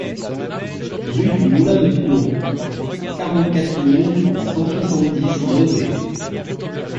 Rue du Moulin de Toulon, quarante-quatre mille cent soixante-dix Nozay